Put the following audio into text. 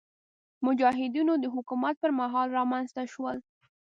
مجاهدینو د حکومت پر مهال رامنځته شول.